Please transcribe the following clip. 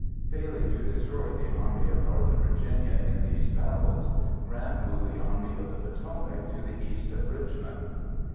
Failing to destroy the Army of Northern Virginia in these battles, Grant moved the Army of the Potomac to the east of Richmond.